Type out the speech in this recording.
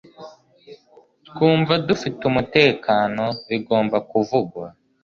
twumva dufite umutekano, bigomba kuvugwa